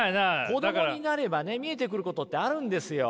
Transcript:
子供になれば見えてくることってあるんですよ。